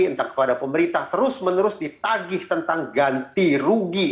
entah kepada pemerintah terus menerus ditagih tentang ganti rugi